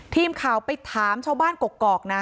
ทีมข่าวไปถามชาวบ้านกกอกนะ